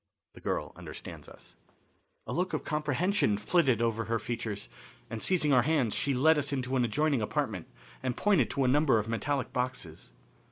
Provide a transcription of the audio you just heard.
The Girl Understands Us. A look of comprehension flitted over her features, and, seizing our hands, she led us into an adjoining apartment and pointed to a number of metallic boxes.